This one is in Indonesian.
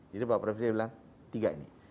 jadi bapak presiden bilang tiga ini